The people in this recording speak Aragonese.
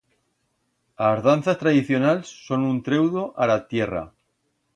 As danzas tradicionals son un treudo a ra tierra.